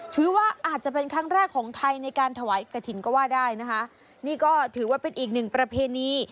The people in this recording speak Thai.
ถือว่าอาจจะเป็นครั้งแรกของไทยในการถวายกระถิ่นก็ว่าได้นะคะนี่ก็ถือว่าเป็นอีกหนึ่งประเพณี